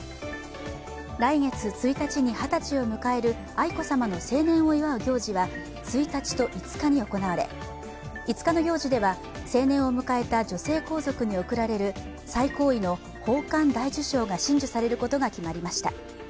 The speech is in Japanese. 来月１日に二十歳を迎える愛子さまの成年を祝う行事は１日と５日に行われ５日の行事では成年を迎えた女性皇族に贈られる最高位の宝冠大綬章が親授されることが決まりました。